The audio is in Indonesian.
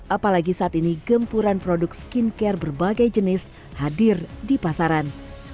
apalagi saat ini gempuran produk skincare berbagai jenis hadir di pasaran